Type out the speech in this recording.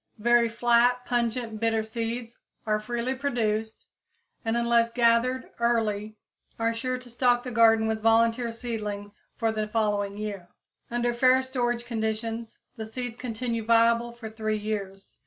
Very flat, pungent, bitter seeds are freely produced, and unless gathered early are sure to stock the garden with volunteer seedlings for the following year. Under fair storage conditions, the seeds continue viable for three years.